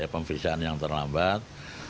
pemvisaan yang terlambat